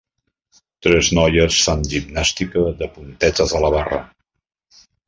Tres noies fan gimnàstica de puntetes a la barra.